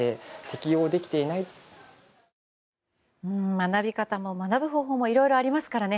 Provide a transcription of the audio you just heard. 学び方も方法もいろいろありますからね。